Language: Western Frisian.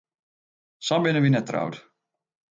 Sa binne wy net troud.